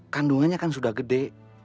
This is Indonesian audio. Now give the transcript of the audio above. kandungannya kan sudah gede